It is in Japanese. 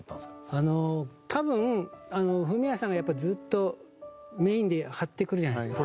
あの多分フミヤさんがやっぱりずっとメインで張ってくじゃないですか。